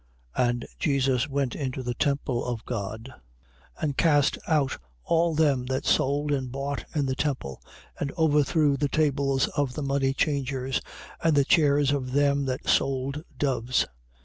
21:12. And Jesus went into the temple of God and cast out all them that sold and bought in the temple and overthrew the tables of the money changers and the chairs of them that sold doves.